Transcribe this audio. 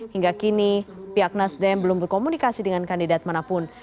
hingga kini pihak nasdem belum berkomunikasi dengan kandidat manapun